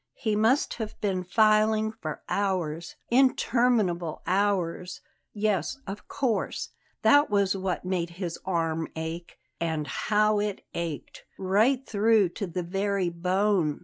He must have been filing for hours, interminable hours yes, of course, that was what made his arm ache And how it ached; right through to the very bone!